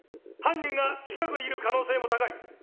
犯人が近くにいる可能性も高い。